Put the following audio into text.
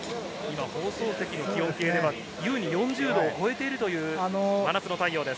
放送席の気温計では４０度を超えている真夏の太陽です。